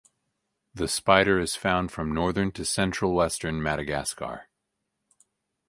The spider is found from northern to central western Madagascar.